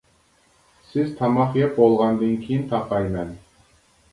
-سىز تاماق يەپ بولغاندىن كىيىن تاقايمەن!